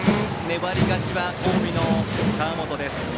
粘り勝ちは近江の川元です。